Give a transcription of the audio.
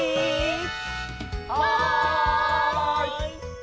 はい！